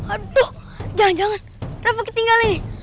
aduh jangan jangan rafa ketinggalan nih